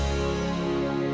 itu mudah ya